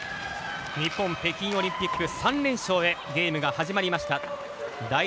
日本北京オリンピック３連勝へゲームが始まりました。